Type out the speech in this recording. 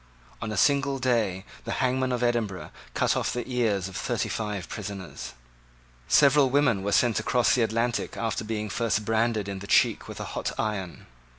On a single day the hangman of Edinburgh cut off the ears of thirty five prisoners. Several women were sent across the Atlantic after being first branded in the cheek with a hot iron.